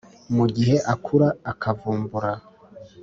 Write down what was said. mugihe akura akavumbura